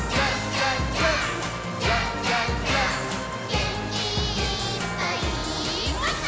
「げんきいっぱいもっと」